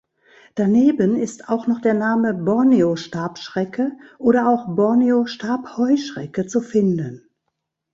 Daneben ist auch noch der Name „Borneo-Stabschrecke“ oder auch „Borneo-Stabheuschrecke“ zu finden.